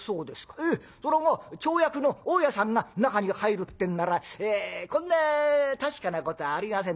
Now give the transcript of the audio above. ええそらまぁ町役の大家さんが中に入るってんならこんな確かなことはありません。